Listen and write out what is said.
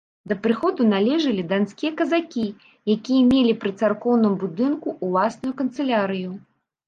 Да прыходу належалі данскія казакі, якія мелі пры царкоўным будынку ўласную канцылярыю.